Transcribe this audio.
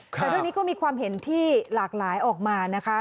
แต่เรื่องนี้ก็มีความเห็นที่หลากหลายออกมานะคะ